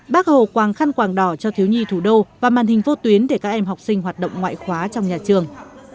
bác hồ quang khăn quàng đỏ cho thiếu nhi thủ đô và màn hình vô tuyến để các em học sinh hoạt động ngoại khóa trong nhà trường